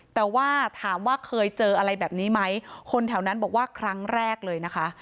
แต่ว่าถามว่าเคยเจออะไรแบบนี้ไหมคนแถวนั้นบอกว่าครั้งแรกเลยนะคะ